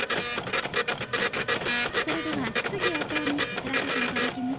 それでは質疑応答に移らせていただきます。